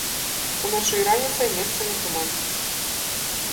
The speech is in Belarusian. Уначы і раніцай месцамі туман.